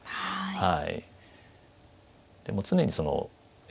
はい。